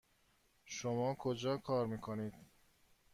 شما کجا کار میکنید؟